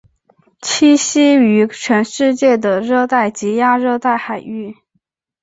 栖息于全世界的热带及亚热带海域。